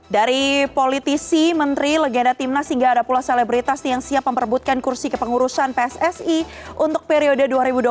dari politisi menteri legenda timnas hingga ada pula selebritas yang siap memperbutkan kursi kepengurusan pssi untuk periode dua ribu dua puluh dua dua ribu dua puluh tujuh